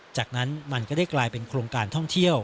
จากนั้นมันก็ได้กลายเป็นโครงการท่องเที่ยว